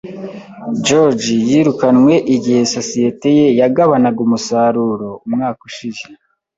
George yirukanwe igihe sosiyete ye yagabanaga umusaruro umwaka ushize.